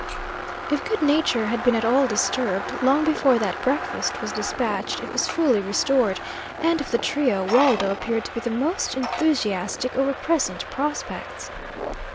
If good nature had been at all disturbed, long before that breakfast was despatched it was fully restored, and of the trio, Waldo appeared to be the most enthusiastic over present prospects.